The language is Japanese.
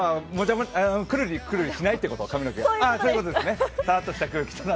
くるりくるりしないということ、髪の毛が、そういうことね。